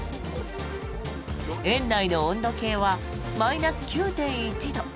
園内の温度計はマイナス９．１度。